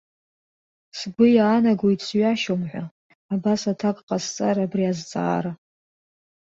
Сгәы иаанагоит сҩашьом ҳәа, абас аҭак ҟасҵар абри азҵаара.